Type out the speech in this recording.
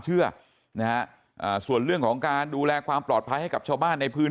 เชื่อนะฮะอ่าส่วนเรื่องของการดูแลความปลอดภัยให้กับชาวบ้านในพื้น